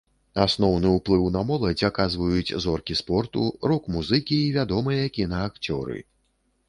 Асноўны ўплыў на моладзь аказваюць зоркі спорту, рок-музыкі і вядомыя кінаакцёры.